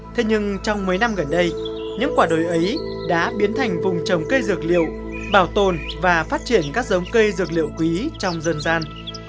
thế nhưng trong mấy năm gần đây những quả đồi ấy đã biến thành vùng trồng cây dược liệu bảo tồn và phát triển các giống cây dược liệu quý trong dân gian